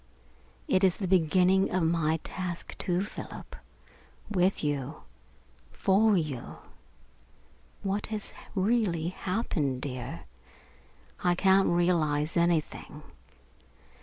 It is the beginning of my task, too, Philip, with you for you. What has really happened, dear? I can't realise anything.